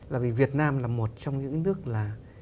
là vì việt nam là một trong những nước là